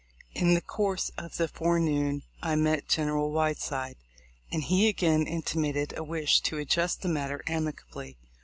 In the course of the forenoon I met General Whiteside, and he again intimated a wish to adjust the matter amicably.